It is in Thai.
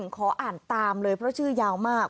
ขออ่านตามเลยเพราะชื่อยาวมาก